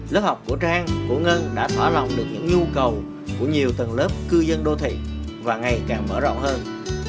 lớp học của trang cổ ngân đã thỏa lòng được những nhu cầu của nhiều tầng lớp cư dân đô thị và ngày càng mở rộng hơn